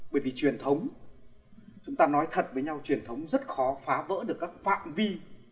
bởi vì truyền thống chúng ta nói thật với nhau truyền thống rất khó phá vỡ được các phạm vi